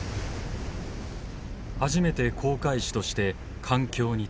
「初めて航海士として艦橋に立つ。